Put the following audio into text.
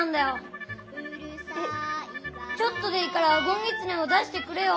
ちょっとでいいから「ごんぎつね」を出してくれよ。